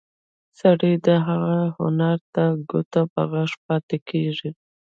سړی د هغه هنر ته ګوته په غاښ پاتې کېږي.